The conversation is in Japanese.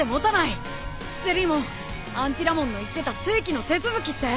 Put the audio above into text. ジェリーモンアンティラモンの言ってた正規の手続きって？